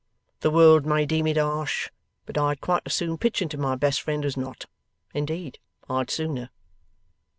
The world may deem it harsh, but I'd quite as soon pitch into my best friend as not. Indeed, I'd sooner!